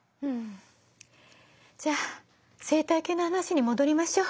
じゃあ生態系の話に戻りましょう。